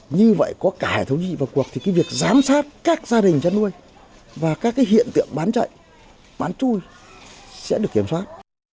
như vậy có cả hệ thống dị vào cuộc thì cái việc giám sát các gia đình chăn nuôi và các hiện tượng bán chạy bán chui sẽ được kiểm soát